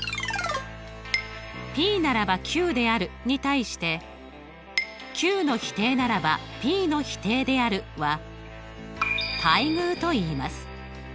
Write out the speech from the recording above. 「ｐならばｑである」に対して「ｑの否定ならばｐの否定である」は対偶といいます。